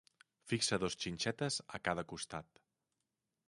Fixa dos xinxetes a cada costat.